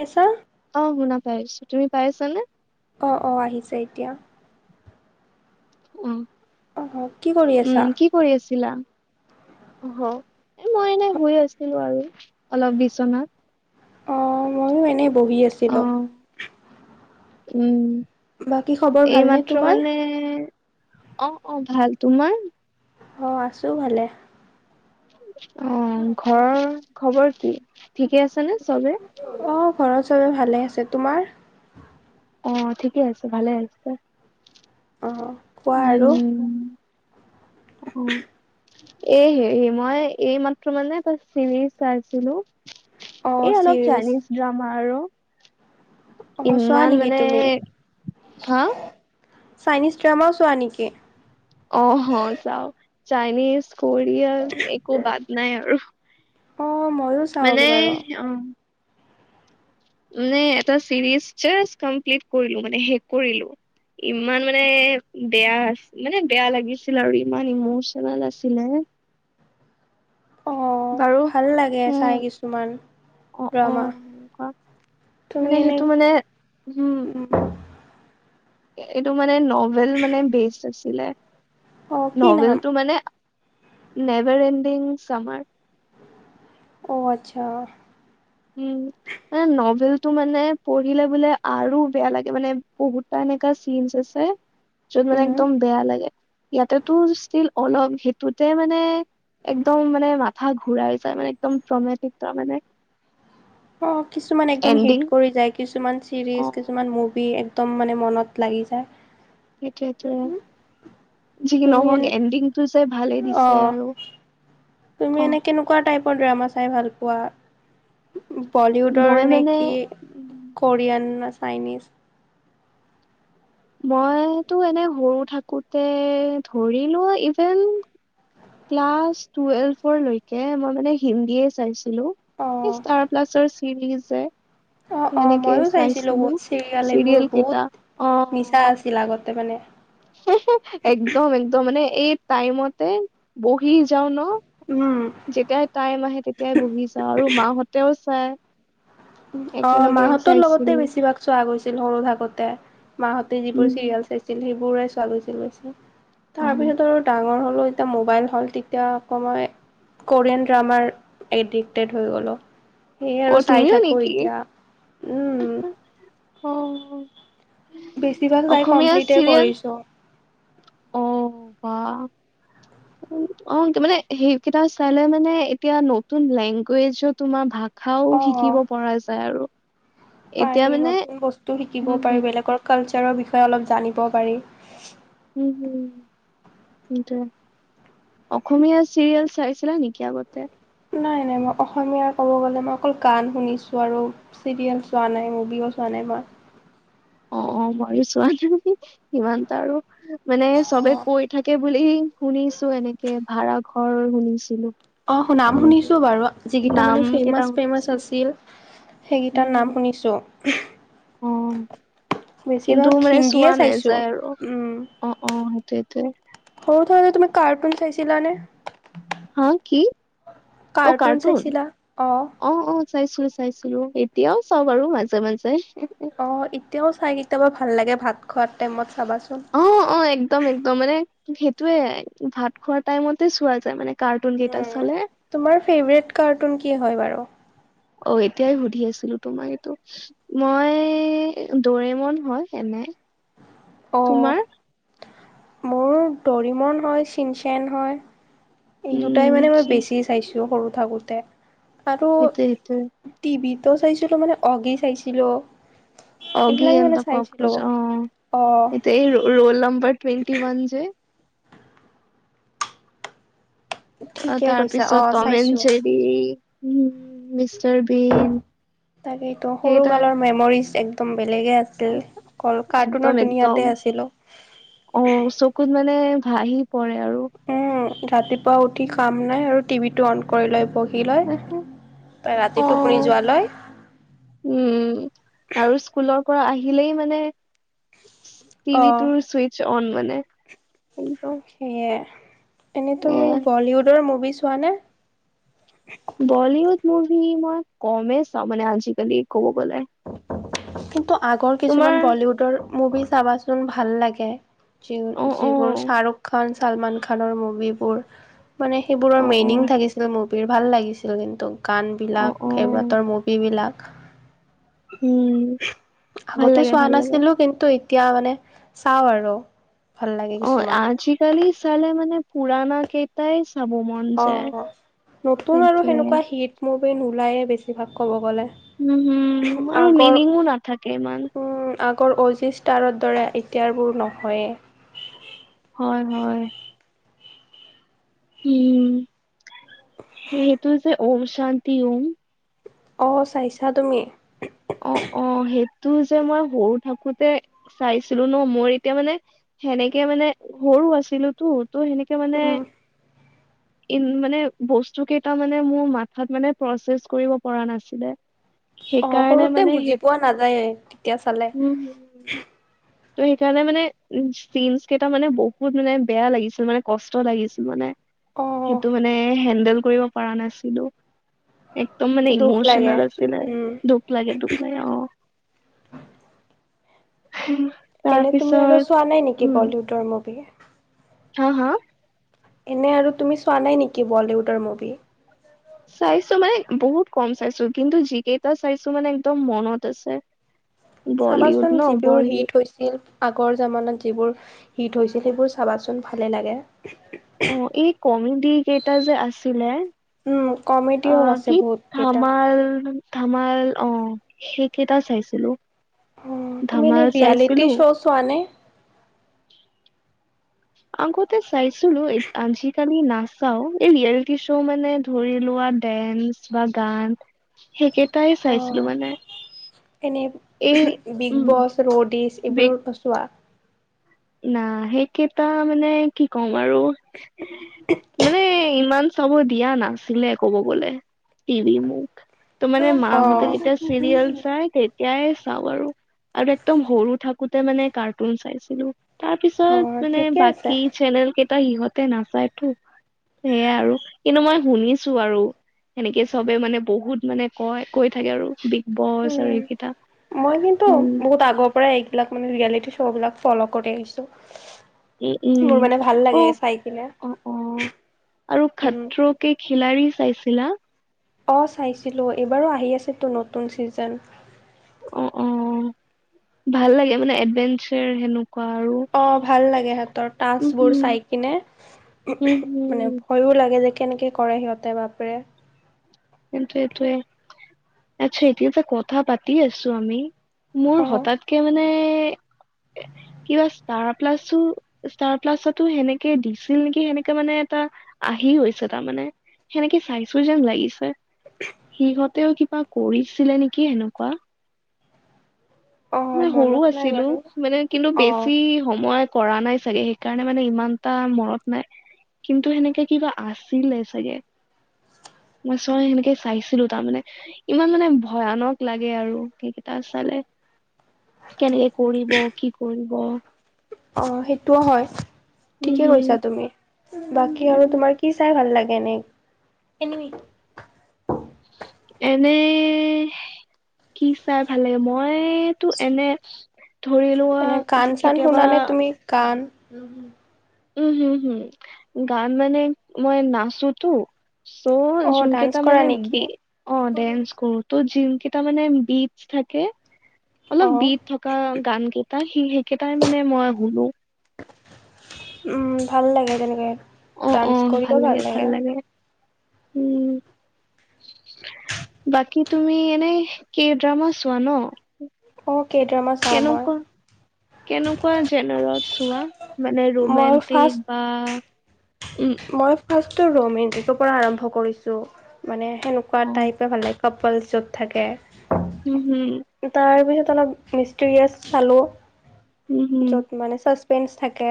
কৈছা অ শুনা পাইছো, তুমি পাইছা নে? অ অ আহিছে এতিয়া ওম অহ কি কৰি আছা কৰি আছিলা অহ এ মই এনে শুই আছিলো আৰু অলপ বিচনাত অ ময়ো এনেই বহি অ আছিলোঁ উম বাকী খবৰ এই ভালনে মাত্ৰ তোমাৰ মানে অ অ ভাল তোমাৰ অ আছো ভালে অ ঘৰৰ খবৰ কি ঠিকে আছে নে চবে অ ঘৰত চবে ভালে আছে তোমাৰ অ ঠিকে আছে ভালে আছে অ অ উম অ এই হেই মই এই মাত্ৰ মানে এটা ছিৰিজ চাইছিলো অঁ এই অলপ চিৰিজ চাইনিজ ড্ৰামা আৰু অঁ চোৱা ইমান নেকি মানে, তুমি হা চাইনিজ ড্ৰামাও চোৱা নেকি? অহ চাও চাইনিজ, কোৰিয়ান একো বাদ নাই আৰু অ মইয়ো মানে অ মানে এটা চিৰিজ জাষ্ট কমপ্লিট কৰিলো মানে শেষ কৰিলো। ইমান মানে বেয়া মানে বেয়া লাগিছিল আৰু ইমান ইমচনেল আছিলে। অঁ বাৰু, ভাল লাগে চাই উম কিছুমান অহ ড্ৰামা অহ, কোৱা তুমি মানে এনে সেইটো মানে, হুম এইটো মানে নভেল মানে বেচ আছিলে। অঁ কি নাম নভেলটো মানে নেভাৰ এণ্ডিং চামাৰ অ আত্চ্ছা উম। মানে নভেলটো মানে পঢ়িলে বোলে আৰু বেয়া লাগে মানে বহুতটা এনেকা চিনচ আছ- এ যত মানে উম। একদম বেয়া লাগে। ইয়াতেতো ষ্টিল অলপ সেইটোতে মানে একদম মানে মাথা ঘূৰাই যায় মানে একদম ট্ৰমেটিক মানে। অ কিছুমান একদম এণ্ডিং হিট কৰি যায় কিছুমান অ চিৰিজ কিছুমান মুভি একদম মানে মনত লাগি যায়। সেইটোৱেটো যি তুমি নহওক এনে এণ্ডিংটো যে ভালেই অ দিছে আৰু অ। কোৱা টাইপৰ ড্ৰামা চাই ভাল পোৱা, মই বলিউডৰ নে মানে কি? উম, কৰিয়ান না চাইনিজ মইতো এনে সৰু থাকোতে ধৰি লোৱা ইভেন ক্লাচ টুৱেলভৰলৈকে ম‌ই মানে হিন্দীয়ে চাইছিলো, অ সেই ষ্টাৰ প্লাছৰ [unintelligible] সেনেকে অ অ ময়ো চাইছিলো বহুত চিৰিয়েল কেইটা অ তা আছিলা আগতে মানে হে হে একদম একদম মানে এই তাইমতে বহি যাও ন। উম। যেতিয়াই টাইম আহে তেতিয়াই বহি চাও আৰু মাহঁতেও চাই অ একেলগে মাহঁতৰ লগতে চাইছিলোঁ। বেছিভাগ চোৱা গৈছিল সৰু থাকোতে, মাহঁতে যিবোৰ উম, চিৰিয়েল চাইছ- ছিল সিবোৰৰে চোৱা গৈছিল বেছে' তাৰ পিছত অ' আৰু ডাঙৰ হ'লেও এতিয়া মোবাইল হ'ল তেতিয়া অকমাই কৰিয়ান ড্ৰামাৰ এডিক্টেড হৈ গলো, সেয়ে আৰু চাই থাক- ঠিকেই [unintelligible] অ। বেছি ভাগ চাই অসমীয়া কমপ্লিটে চিৰিয়েল কৰিছো। অ বা অ মানে সেইকেইটা চালে মানে এতিয়া নতুন লেংগুৱেজৰ তোমাৰ ভাগ খাও অ', শিকিব পৰা যায় আৰু। এতিয়া পাৰি মানে নতুন বস্তু শিকিব উম পাৰি বেলেগৰ কালচাৰৰ বিষয়ে অলপ জানিব পাৰি। উহু সেইটোৱে অসমীয়া চিৰিয়েল চাইছিলা নেকি আগতে? নাই নাই মই অসমীয়াৰ ক'ব গলে মই অকল গান শুনিছো আৰু। চিৰিয়েল ছোৱা নাই মূভিও চোৱা নাই মই? অ অ মইও চোৱা নাই সিমানটা আৰু। মানে চবে অ', কৈ থাকে বুলি শুনিছো এনেকে ভাড়া ঘৰ শুনিছিলো। অ নাম এনেকে শুনিছো বাৰু, যিকেইটা নাম মানে কেইটা ফেমাচ ফেমাচ শুনিছো আছিল। সেইকেইটাৰ উম নাম শুনিছোঁ। অ। কিন্তু বেছিভাগ মানে চোৱা হিন্দীয়ে নাই চাইছো যায় আৰু উম অ অ সেইটোৱেতে। সৰুতে হলে তুমি কাৰ্টুন চাইছ- ছিলানে? হা কি কাৰ্টুন চাইছিলা অ। অ অ চাইছিলো চাইছিলো, এতিয়াও চাওঁ আৰু মাজে মাজে। অ এতিয়াও চাই কেতিয়াবা ভাল লাগে ভাত খোৱাৰ টাইমত চাবাচোন। অ অ একদম একদম মানে সেইটোয়ে ভাত খোৱাৰ টাইমতে চোৱা যায় মানে। কাৰ্টুন কেইটা উম চালে। তোমাৰ ফেভৰেট কাৰ্টুন কি হয় বাৰু? অ এতিয়াই সুধি আছিলো তোমাৰ এইটো, মই দৰিমন হয় এনে। অ তোমাৰ মোৰ দৰিমন হয়, চিনচেন হয়। এই দুটাই উম মানে মই বেছি সেইটোৱে চাইছো সৰু থাকোতে আৰু সেইটোৱে টিভিতো চাইছিলো মানে অগি চাইছিলো। অগি এইবিলাকে এন মানে দা চাইছিলো ককৰজ অ, অ এতিয়া এই ৰ'ল নাম্বাৰ টুৱেণ্টি ৱান যে। অ ঠিকে কৈছা অ তাৰপিছত টম এণ্ড চাইছো জেৰি, মিষ্টাৰ বিন তাকেইটো সৰু সেইকেইটা কালৰ মেমৰিজ একদম বেলেগে আ টো, অকল একদম কাৰ্টুনৰ একদম দুুনীয়াতে আছিলো। অ চকুত মানে ভাহি পৰে আৰু উম, ৰাতিপুৱা উঠি কাম নাই আৰু টিভিটো অন কৰি লৈ বহি লৈ, অ ৰাতি টোপুনি যোৱালৈ উম আৰু স্কুলৰ পৰা আহিলেই মানে অ' টিভিটোৰ চুইচ অন মানে কিন্তু সেয়ে, এনেই তুমি বলীউডৰ মুভি চোৱা নে। বলীউড মুভি মই কমেই চাওঁ মানে আজিকালি ক'ব গলে। কিন্তু আগৰ তোমাৰ কিছুমান বলীউডৰ মুভি চাবাচোন ভাল লাগে। যিন অ অ যিবোৰ শ্বাহৰুখ খান, চালমান খানৰ মুভিবোৰ, মানে সেইবোৰৰ অ অ মিনিং থাকিছিল মুভিৰ ভাল লাগিছিল কিন্তু। অ গানবিলাক অ সেইবাতৰ মুভিবিলাক। উম ভাল আগতে লাগে চোৱা ভাল লাগে নাছিলো কিন্তু এতিয়া মানে চাওঁ আৰু ভাল লাগে অ কিছুমান। আজিকালি চালে মানে পুৰণা কেইটাই চাব ম অ নতুন আৰু সেনেকুৱা হিট মুভি নোলায়ে বেছিভাগ ক'ব গ'লে। উম হম আৰু আগৰ মিনিঙো নাথাকে ইমান উম। আগৰ অজি ষ্টাৰৰ দৰে এতিয়াবোৰ নহয়েই। হয় হয়। উম সেইটো যে ঔম শান্তি ওম। অ চাইছা তুমি। অ', অ সেইটো যে মই সৰু থাকোতে চাইছিলো ন, মোৰ এতিয়া মানে সেনেকে মানে সৰু আছিলো তো, ত' সেনেকে মানে উম, ইন মানে বস্তু কেইটা মানে মোৰ মাথাত মানে প্ৰচেছ কৰিব পৰা নাছিলে। সেইকাৰণে এ মানে বুজি সেই পোৱা নাযায়ে তেতিয়া চালে। উম। তই সেইকাৰণে মানে উ চিনচ কেইটা মানে বহুত মানে বেয়া লাগিছে মানে কষ্ট লাগিছিল মানে। অ', সেইটো মানে হেণ্ডেল কৰিব পৰা নাছিলো। একদম মানে দুখ লাগে ইমোচেনেল আছিলে উম। দোষ লাগে লাগে অ। [unintelligible] এনে তুমি আৰু তাৰপিছত চোৱা নাই নেকি উম বলিউডৰ মুভি। হা হা। এনেই আৰু তুমি চোৱা নাই নেকি বলিউডৰ মুভি। চাইছো মানে বহুত কম চাইছো কিন্তু যিকেইটা চাইছো মানে একদম মনত আছে। বলিউড ন বলিউড। কিট আগৰ জামানাত যিবোৰ হিট হৈছিল সেইবোৰ চাবাচোন ভালেই লাগে। অ এই কমেডি কেইটা যে আছিলে। উম অ কমেডিও আছে কি বহুত কেইটা ধামাল, ধামাল অ সেইকেইটাও চাইছিলো। অ তুমি এনে ধামাল চাইছিলো ৰিয়ালিটি শ'ছোৱানে। আগতে চাইছিলো আজি। কালি নাচাও এই ৰিয়েলিটি শ্ব' মানে ধৰি লোৱা ডেন্স বা গান। সেইকেইটাই চাইছিলো মানে। এনেই এই বিগ উম বছ ৰ'ডিচ বিগ এইবোৰো নোচোৱা। না সেইকেইটা মানে কি কম আৰু মানে ইমান। চাব দিয়া নাছিলে ক'ব গ'লে টিভি মোক। তো মানে অ মাহঁতে যেতিয়া চৰিয়েল চাই তেত তিয়াই চাও আৰু আৰু একদম সৰু থাকোতে মানে কাৰ্টুন চাইছিলো। তাৰ অ পিছত মানে ঠিকে আছে বাকী চেনেল কেইটা সিহঁতে নাচায়তো সেয়াই আৰু কিন্তু মই শুনিছো আৰু সেনেকে চবে মানে বহুত মানে কয় কৈ থাকে আৰু বিগ বছ আৰু এইকেইটা উম মই কিন্তু উম বহুত আগৰ পৰাই এইবিলাক মানে ৰিয়েলিটি শ্ব'বিলাক ফ'ল' কৰি আহিছোঁ উম মোৰ উম মানে ভাল অ লাগে চাই কিনে অ অ আৰু উম খাতৰৌ কে খিলাৰি চাইছিলা। অ চাইছিলো এইবাৰো আহি আছে তো নতুন চিজেন। অ অ ভাল লাগে মানে এডভেন্সেৰ সেনেকুৱা আৰু অ ভাল লাগে সিহতৰ উম টাস্ক বোৰ হুম চাই কিনে। উম মানে হুম। ভয়ো লাগে যে কেনেকে কৰে সিহঁতে বাপেৰে। কিন্তু এইটোৱে। আচ্ছা এতিয়া এটা কথা পাতি আছো আমি মোৰ অ হঠাৎ কে মানে কিবা ষ্টাৰ প্লাছো। ষ্টাৰ প্লাছতো সেনেকে দিছিল নিকি সেনেকে মানে এটা আহি গৈছে তাৰমানে। সেনেকে চাইছো যেন লাগিছে সিহঁতেও কিবা কৰিছিলে নিকি সেনেকুৱা। অ মে সৰু মনত নাই আছিলো বাৰু মানে কিন্তু অ বেছি সময়ত কৰা নাই চাগে সেইকাৰণে মানে ইমানটা মনত নাই। কিন্তু সেনেকে কিবা আছিলে চাগে। মই চয় সেনেকে চাইছিলো তাৰমানে ইমান মানে ভয়ানক লাগে আৰু সেইকেইটা চালে। কেনেকে কৰিব কি কৰিব। অ সেইটোও হয় উম ঠিকে কৈছা হম তুমি। উ বাকী আৰু তোমাৰ কি চাই ভাল লাগে এনেই এনিমি। এনেই। কি চাই ভাল লাগে মইতো এনে ধৰি লোৱা কেতিয়াবা। কান। উম হম হম গান মানে মই নাচোতো। চ' অ যোন ডান্স কেইটা কৰা মানে নেকি বি অ ডেন্স কৰো। ত যিনকেইটা মানে বিচ্ থাকে অলপ অ বিত থকা গান কেইটা সি সেইকেইটাই মানে মই শুনো। উম ভাল লাগে তেনেকে অ অ ভাল লাগে ভাল লাগে উম বাকী তুমি এনেই কে ড্ৰামা চোৱা ন অ কে ড্ৰমা কেনেকুৱা কেনেকুৱা জেনেৰত চোৱা মানে মই ফাৰ্ষ্ট ৰোমেন্টিক। আ উম, মই ফাৰ্ষ্টটো ৰোমেণ্টিকৰ পৰা আৰম্ভ কৰিছোঁ মানে সেনেকুৱা অ টাইপে ভাল লাগে কপল চ'ব থাকে। উম হুম তাৰপিছত অলপ মিষ্টৰিয়াছ উম হম চালোঁ য'ত মানে চাচপেণ্ডচ্ থাকে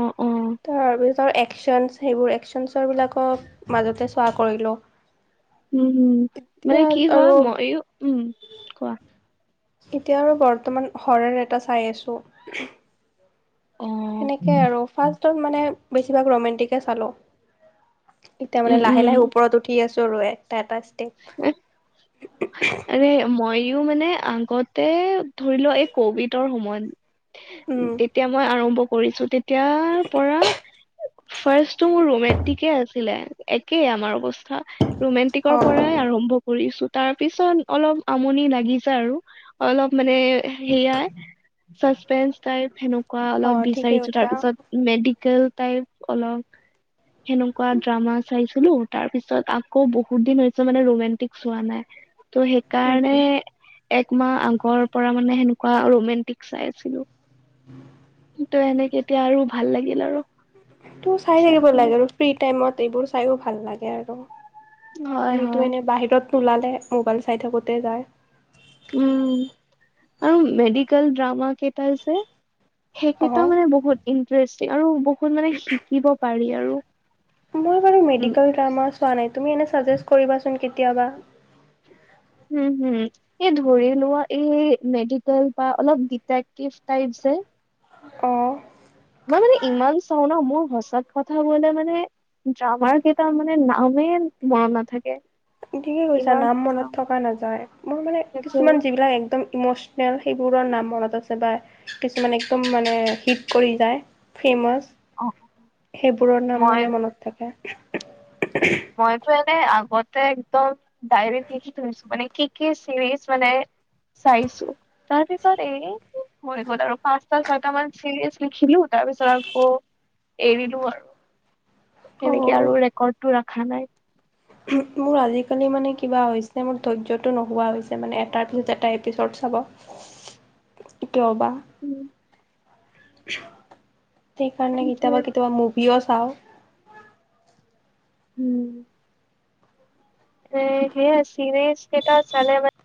অ অ তাৰপিছত এক একচনছ সেইবোৰ একচনছৰবিলাকক মাজতে চোৱা কৰিলোঁ। উম, হম, মানে এতিয়া কি হোৱা আৰু মইও উম। কোৱা এতিয়া আৰু বৰ্তমান হৰৰ এটা চাই আছো। অ সেনেকে আৰু ফাৰ্ষ্টত মানে বেছিভাগ ৰোমেণ্টিকে চালোঁ। এতিয়া মানে উম উম লাহে -লাহে ওপৰত উঠি আছো আৰু এটা- এটা ষ্টেপ। আৰে মইও মানে আগতে ধৰি লোৱা এই কভিডৰ সময়ত উম, তেতিয়া মই আৰম্ভ কৰিছোঁ তেতিয়াৰ পৰা ফাৰ্ষ্টটো মোৰ ৰোমেণ্টিকে আছিলে একেই আমাৰ অৱস্থা। ৰোমেণ্টিকৰ পৰাই অ', আৰম্ভ কৰিছোঁ তাৰ পিছত অলপ আমনি লাগি যা আৰু। অলপ মানে হেয়াই চাচপেন্ঞ্চ টাইপ সেনোক- কুৱা অলপ অ', ঠিকে বিচাৰিছো কৈছা তাৰপিছত মেডিকেল টাইপ অলপ সেনেকুৱা ড্ৰামা চাইছিলো তাৰ পিছত আকৌ বহুত দিন হৈছে মানে ৰোমেণ্টিক চোৱা নাই। ত' সেইকাৰণে উম। একমাহ আগৰ পৰা মানে সেনেকুৱা ৰোমেণ্টিক চাই আছিলোঁ। [inaudible] তে এনেকে এতিয়া আৰু ভাল লাগিল আৰু। ত' চাই থাকিব লাগে আৰু ফ্ৰী টাইমত এইবোৰ চাইও ভাল লাগে আৰু। হয় আমিতো হয় এনে বাহিৰত নুলালে মোবাইল চাই থাকোতে যায়। উম, আৰু মেডিকেল ড্ৰামা কেইটা যে সেইকেইটাও অ' মানে বহুত ইণ্টাৰেষ্টিং আৰু বহুত মানে শিকিব পাৰি আৰু। মই বাৰু উম মেডিকেল ড্ৰামা চোৱা নাই তুমি এনে চাজেষ্ট কৰিবাচোন কেতিয়াবা? [unintelligible] এ ধৰি লোৱা এই মেডিকেল বা অলপ ডিটাইপকিভ টাইপ যে। অ', মই মানে ইমান চাওঁ ন' মোৰ সঁচা কথা কবলে মানে ড্ৰামা কেইটাৰ মানে নামে মনত নাথাকে। ঠিকে কৈছা ইমান নাম মনত চাও থকা নাযায় মোৰ মানে তাকে কিছুমান যিবিলাক একদম ইমশনেল সেইবোৰৰ নামত আছে বা কিছুমান একদম মানে হিট কৰি যায়। ফেমাচ অ সেইবোৰৰ নাম মই মানে মনত থাকে। মইতো এনে আগতে একদম ডাইৰেক লিখি থৈছো মানে কি- কি চিৰিজ মানে চাইছোঁ। তাৰ পিছত এই হৈ গ'ল আৰু পাঁচটা, ছয়টা মান চিৰিয়েচ লিখিলোঁ তাৰ পিছত আকৌ এৰিলোঁ আৰু সেনেকে অ' আৰু ৰেকৰ্ডটো ৰাখা নাই। [unintelligible] মোৰ আজিকালি মানে কিবা হৈছ এ মোৰ ধৈৰ্যটো নোহোৱা হৈছে মানে এটাৰ পিছত এটা এপিছড চাব। কিয়বা উম, সেইকাৰণে সেইটোৱে। কেতিয়াবা -কেতিয়াবা মুভিও চাওঁ। হম, [unintelligible] সেয়ে ছিনেজ কেটা চালে মান